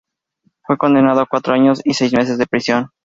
Fue condenado a cuatro años y seis meses de prisión.